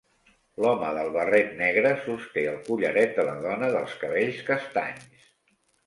L'home del barret negre sosté el collaret de la dona dels cabells castanys.